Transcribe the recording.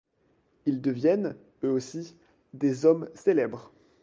Ils deviennent, eux aussi, des hommes célèbres.